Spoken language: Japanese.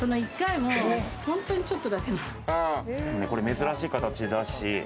珍しい形だし。